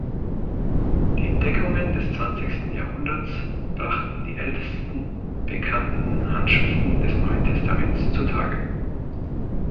Die Entdeckungen des zwanzigsten Jahrhunderts brachten die ältesten bekannten Handschriften des Neuen Testaments zutage.